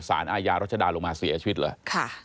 อาญารัชดาลงมาเสียชีวิตเลย